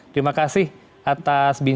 terima kasih atas bincang bincangnya pada siang ini